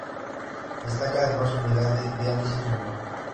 Destaca además su unidad de diálisis renal.